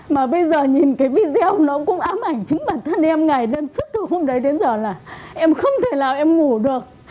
mà bây giờ nhìn cái video nó cũng ám ảnh chính bản thân em này lên sức từ hôm đấy đến giờ là em không thể nào em ngủ được